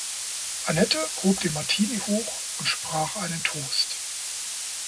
Annette hob den Martini hoch und sprach einen Toast.